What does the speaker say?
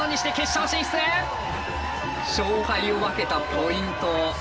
勝敗を分けたポイント。